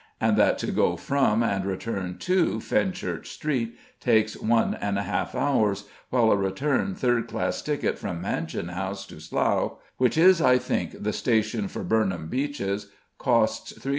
and that to go from and return to Fenchurch Street takes one and a half hours, while a return third class ticket from Mansion House to Slough, which is, I think, the station for Burnham Beeches, costs 3s.